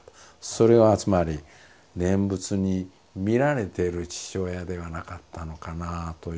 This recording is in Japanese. それはつまり念仏に見られている父親ではなかったのかなあというふうに。